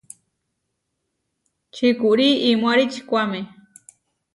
Čikúri imoári ičikuáme.